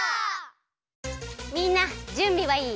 みんなじゅんびはいい？